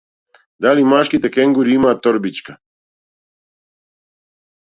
Дали машките кенгури имаат торбичка?